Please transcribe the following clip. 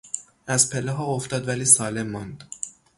از پلهها افتاد ولی سالم ماند.